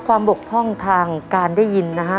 บกพร่องทางการได้ยินนะฮะ